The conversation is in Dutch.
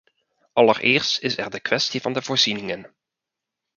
Allereerst is er de kwestie van de voorzieningen.